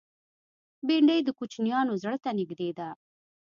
بېنډۍ د کوچنیانو زړه ته نږدې ده